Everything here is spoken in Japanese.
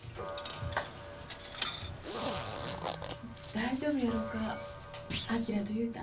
大丈夫やろか昭と雄太。